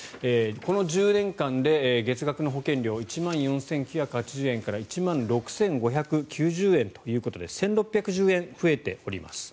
この１０年間で月額の保険料１万４９８０円から１万６５９０円ということで１６１０円増えております。